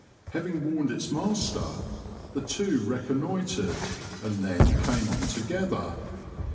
Having warned its master, the two reconnoitered and then came on together.